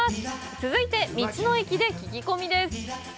続いて、道の駅で聞き込みです。